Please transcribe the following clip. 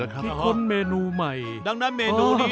ดังนั้นเมนูนี้